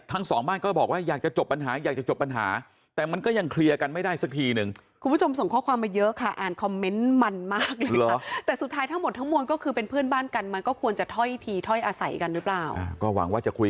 ทั้งสองบ้านก็บอกว่าอยากจะจบปัญหา